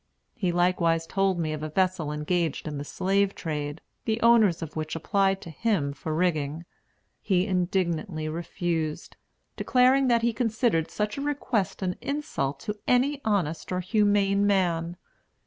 He likewise told me of a vessel engaged in the slave trade, the owners of which applied to him for rigging. He indignantly refused; declaring that he considered such a request an insult to any honest or humane man.